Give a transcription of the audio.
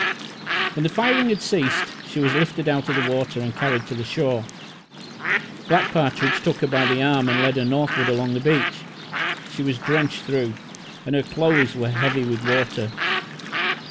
When the firing had ceased, she was lifted out of the water and carried to the shore. Black Partridge took her by the arm and led her northward along the beach. She was drenched through, and her clothes were heavy with water.